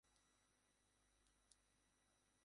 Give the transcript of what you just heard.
CC বলে, অর্থাৎ, সে তোমার বোনেদের মতো একটুও না।